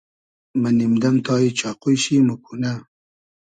مۂ نیم دئم تای چاقوی شی ، موکونۂ